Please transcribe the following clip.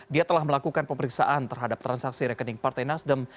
dia telah melakukan pemeriksaan terhadap transaksi rekening partai nasdem